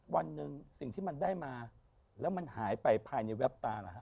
วันหนึ่งสิ่งที่มันได้มาแล้วมันหายไปภายในแวบตาเหรอฮะ